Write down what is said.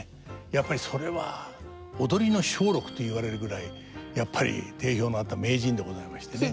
やっぱりそれは踊りの松緑と言われるぐらいやっぱり定評のあった名人でございましてね。